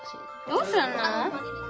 どうすんの。